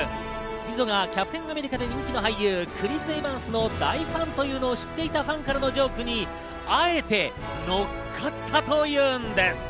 リゾが『キャプテン・アメリカ』で人気の俳優クリス・エヴァンスの大ファンというのを知っていたファンからのジョークにあえて乗っかったというんです。